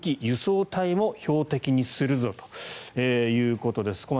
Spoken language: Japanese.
輸送隊も標的にするぞということです。